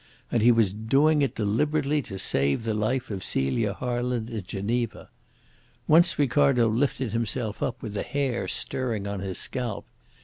And he was doing it deliberately to save the life of Celia Harland in Geneva. Once Ricardo lifted himself up with the hair stirring on his scalp.